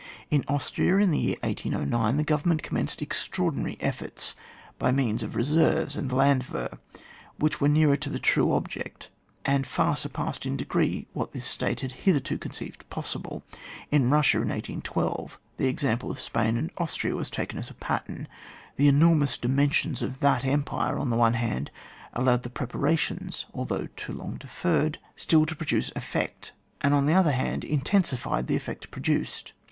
In Austria, in the year 1809, the Goyem ment commenced extraordinary efforts, by means of Keseryes and Landwehr, which were nearer to the true object, and far surpassed in degree what this State had hitherto conceived possible. In Kussia, in 1812, the example of Spain and Austria was taken as a pattern, the enormous dimensions of that empire on the one hand allowed the preparations, although too long deferred, still to pro duce effect; and, on the other hand, intensified the effect produced.